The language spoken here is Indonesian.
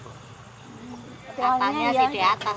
katanya di atas